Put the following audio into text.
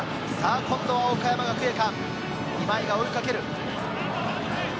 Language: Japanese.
今度は岡山学芸館・今井が追いかける。